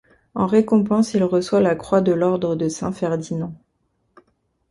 En récompense il reçoit la Croix de l'Ordre de Saint-Ferdinand.